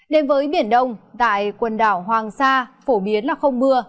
đến với biển đông tại quần đảo hoàng sa phổ biến là không mưa